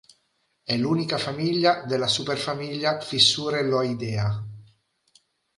È l'unica famiglia della superfamiglia Fissurelloidea.